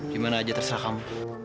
gimana aja terserah kamu